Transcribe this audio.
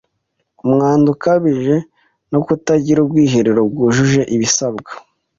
Umwanda ukabije no kutagira ubwiherero bwujuje ibisabwa